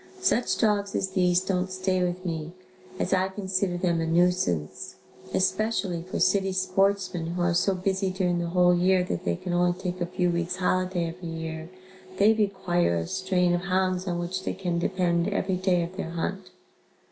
Such dogs as these don't stay with me, as I consider them a nuisance, especially for city sportsmen, who are so busy during the whole year that they can only take a few weeks holiday every year, they require a strain of hounds on which they can depend every day of their hunt.